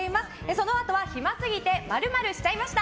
そのあとは暇すぎて○○しちゃいました！